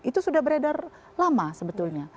itu sudah beredar lama sebetulnya